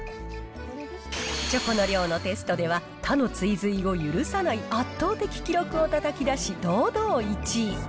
チョコの量のテストでは他の追随を許さない圧倒的記録をたたき出し、堂々１位。